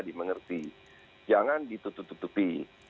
seperti jangan ditutup tutupi